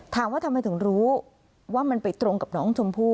ถามว่าทำไมถึงรู้ว่ามันไปตรงกับน้องชมพู่